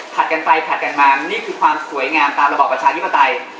กันไปผลัดกันมานี่คือความสวยงามตามระบอบประชาธิปไตย